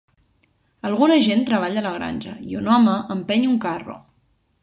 Alguna gent treballa a la granja i un home empeny un carro.